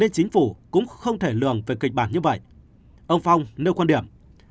chính phủ cũng không thể lường về kịch bản như vậy ông phong nêu quan điểm